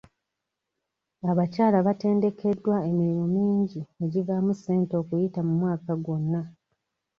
Abakyala batendekeddwa emirimu mingi egivaamu ssente okuyita mu mwaka gwonna.